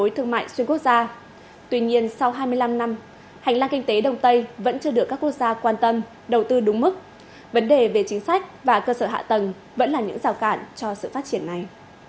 tuy nhiên hành lang kinh tế đông tây vẫn chưa được các quốc gia quan tâm đầu tư đúng mức vấn đề về chính sách và cơ sở hạ tầng vẫn là những rào cản cho sự phát triển này